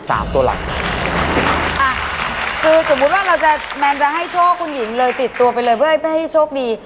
สมมุติว่าแมนจะให้โชคคุณหญิงเลยติดตัวไปเลยเพื่อให้โชคดี